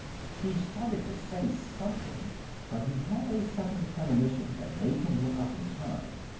He started to say something, but he had a sudden premonition that made him look up in time.